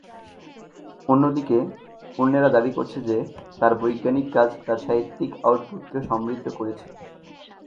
অন্যদিকে, অন্যেরা দাবি করেছে যে, তার বৈজ্ঞানিক কাজ তার সাহিত্যিক আউটপুটকে সমৃদ্ধ করেছে।